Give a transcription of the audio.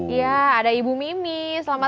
iya ada ibu mimi selamat pagi